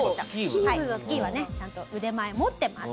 スキーはねちゃんと腕前持ってます。